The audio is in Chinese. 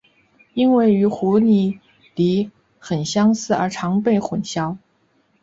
因为与湖拟鲤很相似而常被混淆。